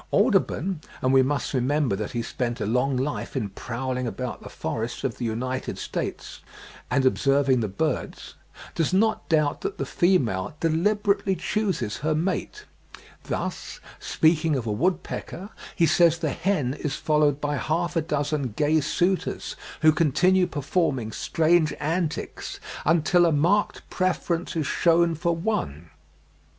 Audubon—and we must remember that he spent a long life in prowling about the forests of the United States and observing the birds—does not doubt that the female deliberately chooses her mate; thus, speaking of a woodpecker, he says the hen is followed by half a dozen gay suitors, who continue performing strange antics, "until a marked preference is shewn for one."